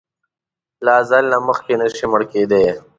له اځل نه مخکې نه شې مړ کیدای!